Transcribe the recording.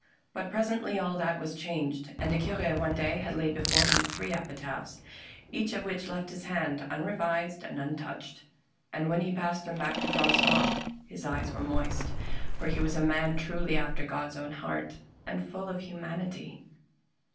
But presently all that was changed, and the Cure one day had laid before him three epitaphs, each of which left his hand unre vised and untouched ; and when he passed them back to Francois his eyes were moist, for he was a man truly after God's own heart, and full of humanity.